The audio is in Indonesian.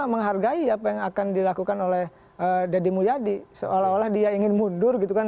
menghargai apa yang akan dilakukan oleh deddy mulyadi seolah olah dia ingin mundur gitu kan